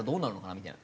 みたいな。